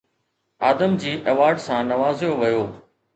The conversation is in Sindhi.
آدمجي اوارڊ سان نوازيو ويو